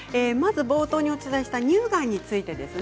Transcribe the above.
冒頭でお伝えした乳がんについてです。